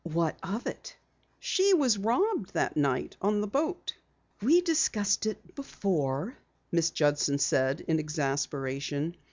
"What of it?" "She was robbed that night on the boat." "We discussed it before," Miss Judson said in exasperation.